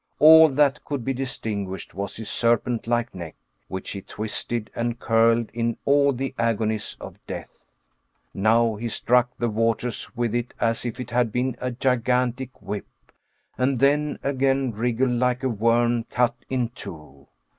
All that could be distinguished was his serpent like neck, which he twisted and curled in all the agonies of death. Now he struck the waters with it as if it had been a gigantic whip, and then again wriggled like a worm cut in two.